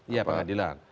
ya pak adilan